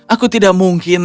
aku tidak mungkin